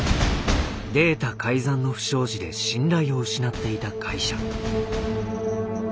データ改ざんの不祥事で信頼を失っていた会社。